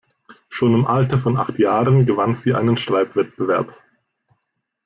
Schon im Alter von acht Jahren gewann sie einen Schreibwettbewerb.